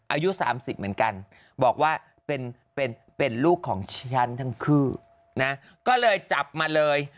อายุ๓๐เหมือนกันบอกว่าเป็นลูกของฉันทั้งคู่นะก็เลยจับมาเลย